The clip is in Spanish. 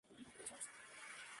Sus padres son judíos.